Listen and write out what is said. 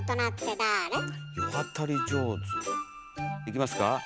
いきますか？